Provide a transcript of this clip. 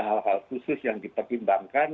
hal hal khusus yang dipertimbangkan